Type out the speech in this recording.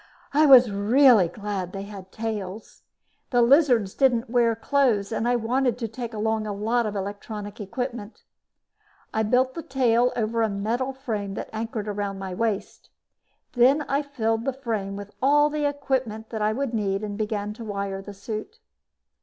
I was really glad they had tails. The lizards didn't wear clothes and I wanted to take along a lot of electronic equipment. I built the tail over a metal frame that anchored around my waist. Then I filled the frame with all the equipment I would need and began to wire the suit.